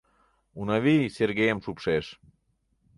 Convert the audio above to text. — Унавий Сергейым шупшеш.